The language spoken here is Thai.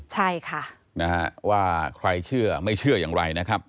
ใช่ค่ะนะฮะว่าใครเชื่อไม่เชื่ออย่างไรนะครับ